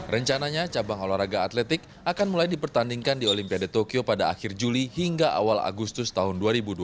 rencananya cabang olahraga atletik akan mulai dipertandingkan di olimpiade tokyo pada akhir juli hingga awal agustus tahun dua ribu dua puluh